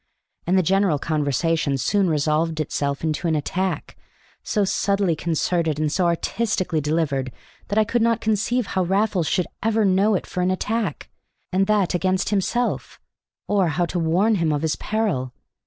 And the general conversation soon resolved itself into an attack, so subtly concerted and so artistically delivered that I could not conceive how Raffles should ever know it for an attack, and that against himself, or how to warn him of his peril.